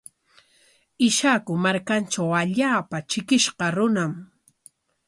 Ishaku markantraw allaapa trikishqa runam.